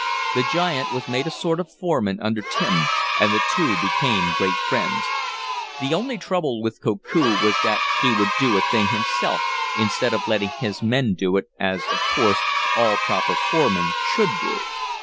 The giant was made a sort of foreman under Tim, and the two became great friends. The only trouble with Koku was that he would do a thing himself instead of letting his men do it, as, of course, all proper foremen should do.